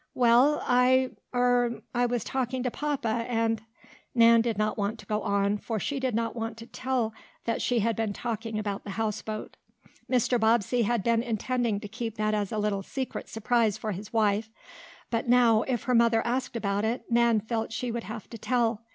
"Well, I er I was talking to papa, and " Nan did not want to go on, for she did not want to tell that she had been talking about the houseboat. Mr. Bobbsey had been intending to keep that as a little secret surprise for his wife, but now, if her mother asked about it, Nan felt she would have to tell.